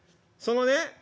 そのね